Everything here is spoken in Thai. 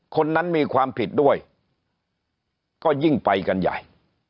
คนนั้นมีความผิดด้วยก็ยิ่งไปกันใหญ่